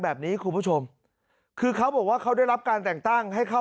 แบบนี้คุณผู้ชมคือเขาบอกว่าเขาได้รับการแต่งตั้งให้เข้า